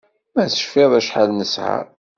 Ma tcfiḍ acḥal nesher